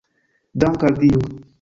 Dank’ al Dio!